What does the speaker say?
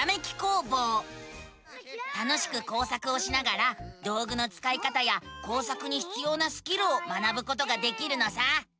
楽しく工作をしながら道ぐのつかい方や工作にひつようなスキルを学ぶことができるのさ！